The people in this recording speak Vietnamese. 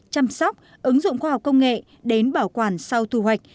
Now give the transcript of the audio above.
chăm sóc ứng dụng khoa học công nghệ đến bảo quản sau thu hoạch